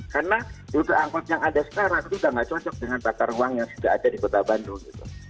karena anggota yang ada sekarang itu sudah nggak cocok dengan takar uang yang sudah ada di kota bandung